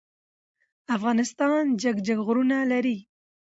افغانستان جګ جګ غرونه لری.